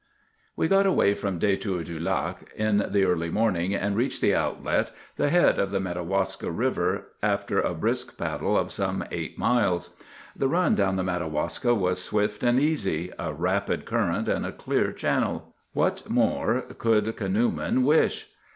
We got away from Détour du Lac in the early morning, and reached the outlet, the head of the Madawaska River, after a brisk paddle of some eight miles. The run down the Madawaska was swift and easy,—a rapid current and a clear channel. What more could canoemen wish?